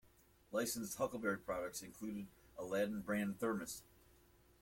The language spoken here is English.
Licensed "Huckleberry" products included an Aladdin-brand Thermos.